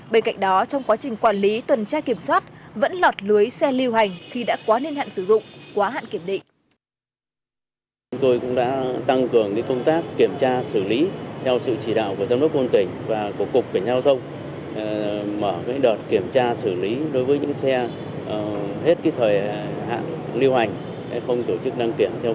bên cạnh đó trong quá trình quản lý tuần tra kiểm soát vẫn lọt lưới xe lưu hành khi đã quá nên hạn sử dụng quá hạn kiểm định